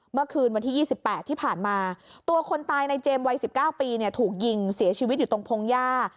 เมื่อคืนวันที่๒๘ที่ผ่านมาตัวคนตายในเจมส์วัย๑๙ปีถูกยิงเสียชีวิตอยู่ตรงพงหญ้า